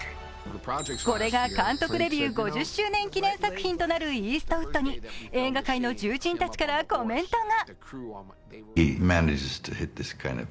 これが監督デビュー５０周年記念作品となるイーストウッドに映画界の重鎮たちからコメントが。